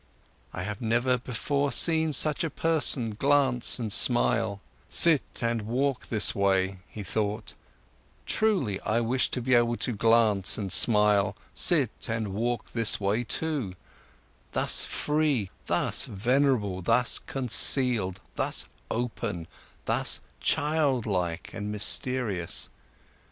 I have never before seen a person glance and smile, sit and walk this way, he thought; truly, I wish to be able to glance and smile, sit and walk this way, too, thus free, thus venerable, thus concealed, thus open, thus childlike and mysterious.